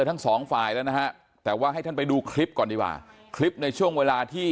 ทั้งสองฝ่ายแล้วนะฮะแต่ว่าให้ท่านไปดูคลิปก่อนดีกว่าคลิปในช่วงเวลาที่